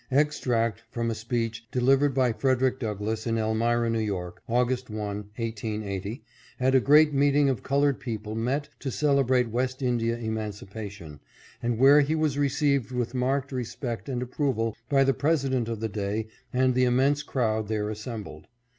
Extract from a speech delivered by Frederick Douglass in Elmira, N. Y., August 1, 1880, at a great meeting of colored people met to celebrate West India emancipation, and where he was received with marked respect and ap proval by the president of the day and the immense crowd there assembled.